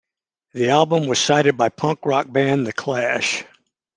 The album was cited by punk rock band The Clash.